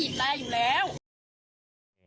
แต่รถไฟอะเขาผีแรงอยู่แล้ว